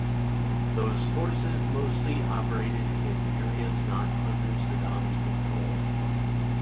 Those forces mostly operated in areas not under Saddam's control.